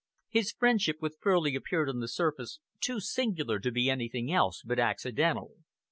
His friendship with Furley appeared on the surface too singular to be anything else but accidental.